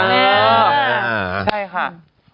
ใช่ค่ะ